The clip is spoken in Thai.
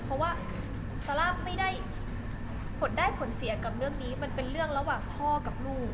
เพราะว่าซาร่าไม่ได้ผลได้ผลเสียกับเรื่องนี้มันเป็นเรื่องระหว่างพ่อกับลูก